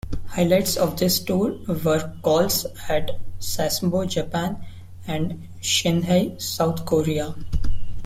Highlights of this tour were calls at Sasebo, Japan, and Chinhae, South Korea.